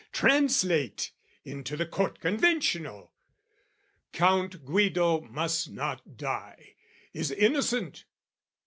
Translate into the court conventional "Count Guido must not die, is innocent!